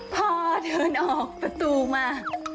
พ่อเดินออกประตูมา